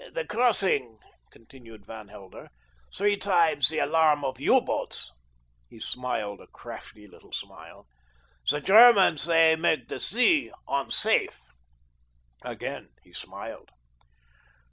"The crossing," continued Van Helder, "three times the alarm of U boats." He smiled a crafty little smile. "The Germans they make the sea unsafe." Again he smiled.